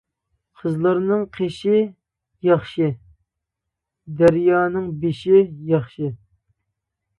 قىزلارنىڭ قېشى ياخشى، دەريانىڭ بېشى ياخشى.